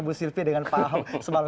bu silvi dengan pak aho